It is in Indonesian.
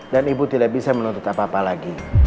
dan ibu tidak bisa menuntut apa apa lagi